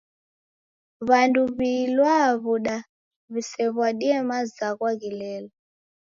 W'andu w'ilwaa w'uda w'isew'adie mazwagha ghelwa.